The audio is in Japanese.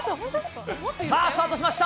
さあ、スタートしました。